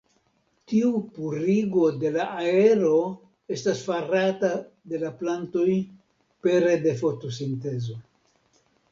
Tiu purigo de la aero estas farata de la plantoj pere de fotosintezo.